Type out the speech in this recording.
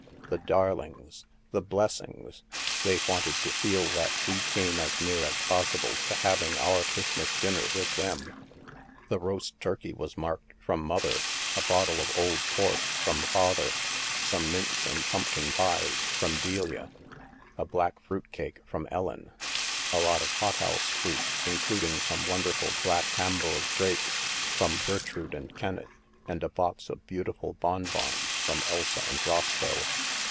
The darlings! The blessings! They wanted to feel that we came as near as possible to having our Christmas dinner with them !" The roast turkey was marked " from Mother "; a bottle of old port " from Father '*; some mince and pumpkin pies " from Delia '*; a black fruit cake " from Ellen "; a lot of hothouse fruit, including some wonderful black Hamburg grapes, " from Ger trude and Kenneth''; and a box of beautiful bon bons *' from Elsa and Roscoe."